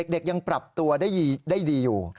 ยังปรับตัวได้ดีอยู่